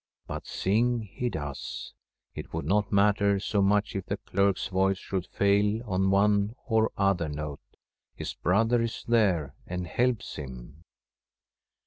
But sing he does ; it would not matter so much if the clerk's voice should fail on one or other note, his brother is there and helps him.